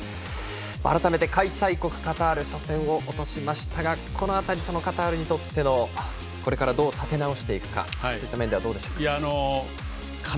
改めて、開催国カタール初戦を落としましたがこの辺り、カタールにとってこれからどう立て直していくかそういった面ではどうでしょうか。